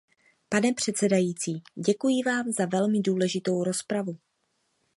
Paní předsedající, děkuji vám za velmi důležitou rozpravu.